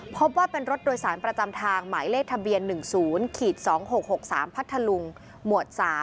พบว่าเป็นรถโดยสารประจำทางหมายเลขทะเบียน๑๐๒๖๖๓พัทธลุงหมวด๓